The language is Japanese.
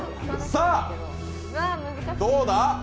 さあ、どうだ？